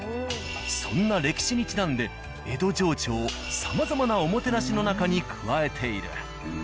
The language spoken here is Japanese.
そんな歴史にちなんで江戸情緒をさまざまなおもてなしの中に加えている。